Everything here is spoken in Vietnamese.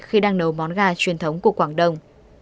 khi đang nấu món gà truyền thống của quảng đông